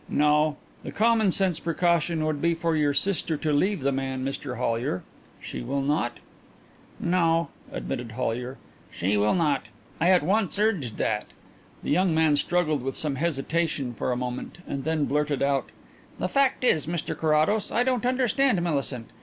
No.... The common sense precaution would be for your sister to leave the man, Mr Hollyer. She will not?" "No," admitted Hollyer, "she will not. I at once urged that." The young man struggled with some hesitation for a moment and then blurted out: "The fact is, Mr Carrados, I don't understand Millicent.